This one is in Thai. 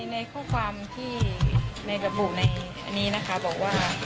ในข้อความที่ในระบุในอันนี้นะคะบอกว่า